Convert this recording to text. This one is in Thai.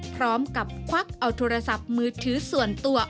พร้อมกับควักเอาโทรศัพท์มือถือส่วนตัว